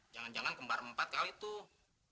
jangan jangan kembar empat kali tuh